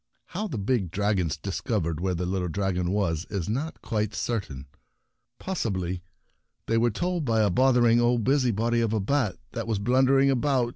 How the big dragons discov ered where the little dragon was is not quite certain ; possibly they were told by a bothering old busybody of a bat that was blundering about just as the 4 — C.